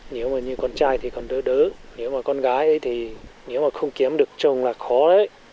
nhưng con trai thì còn đỡ đỡ nếu mà con gái ấy thì nếu mà không kiếm được chồng là khó đấy